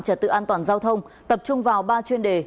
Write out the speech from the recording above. trật tự an toàn giao thông tập trung vào ba chuyên đề